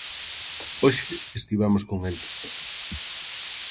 Hoxe estivemos con el.